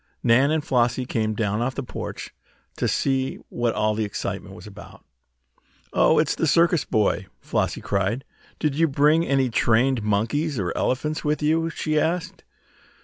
Nan and Flossie came down off the porch to see what all the excitement was about. "Oh, it's the circus boy!" Flossie cried. "Did you bring any trained monkeys or elephants with you?" she asked.